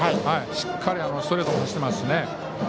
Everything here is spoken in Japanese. しっかりストレート走ってますしね。